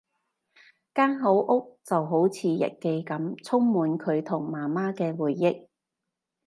間好屋就好似日記噉，充滿佢同媽媽嘅回憶